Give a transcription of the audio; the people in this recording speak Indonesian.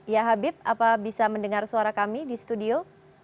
ya habib apa bisa mendengar suara kami di studio